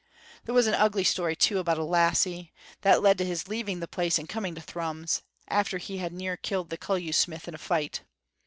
"There was an ugly story too, about a lassie, that led to his leaving the place and coming to Thrums, after he had near killed the Cullew smith, in a fight.